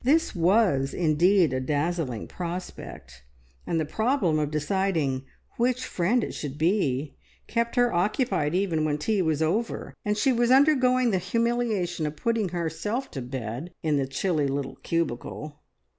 This was indeed a dazzling prospect, and the problem of deciding which friend it should be kept her occupied even when tea was over, and she was undergoing the humiliation of putting herself to bed in the chilly little cubicle.